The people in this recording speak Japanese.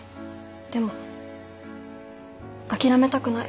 でも諦めたくない。